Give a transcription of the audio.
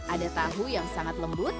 ada tahu yang sangat lembut